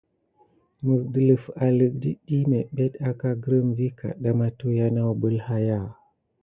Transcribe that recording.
Məs dələf alək dit ɗiy na aka grum vi kaɗɗa matuhya nawbel haya.